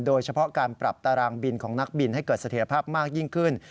โดยเฉพาะการปรับตารางบินของนักบินให้เกิดเสถียรภาพมากยิ่งขึ้น